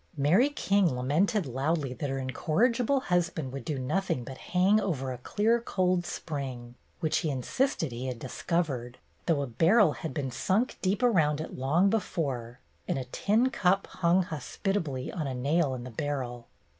Mary King lamented loudly that her incor rigible husband would do nothing but hang over a clear cold spring, which he insisted he had discovered, though a barrel had been sunk deep around it long before, and a tin cup hung hospitably on a nail in the barrel.